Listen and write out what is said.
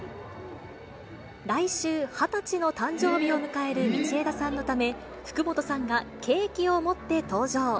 来週、２０歳の誕生日を迎える道枝さんのため、福本さんがケーキを持って登場。